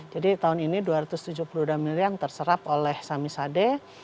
jadi tahun ini dua ratus tujuh puluh dua miliar yang terserap oleh samisade